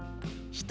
「１人」。